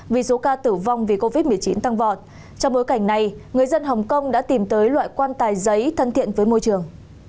vì số ca tử vong vì covid một mươi chín tăng vọt trong bối cảnh này người dân hồng kông đã tìm tới loại quan tài giấy thân thiện với môi trường